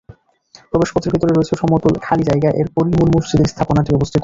প্রবেশ পথ এর ভেতরে রয়েছে সমতল খালি জায়গা এরপরই মূল মসজিদের স্থাপনাটি অবস্থিত।